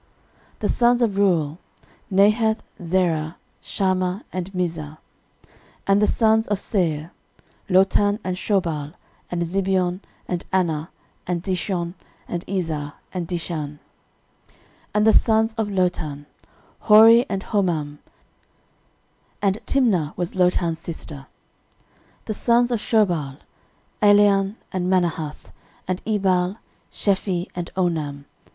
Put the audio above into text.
13:001:037 The sons of Reuel; Nahath, Zerah, Shammah, and Mizzah. 13:001:038 And the sons of Seir; Lotan, and Shobal, and Zibeon, and Anah, and Dishon, and Ezar, and Dishan. 13:001:039 And the sons of Lotan; Hori, and Homam: and Timna was Lotan's sister. 13:001:040 The sons of Shobal; Alian, and Manahath, and Ebal, Shephi, and Onam.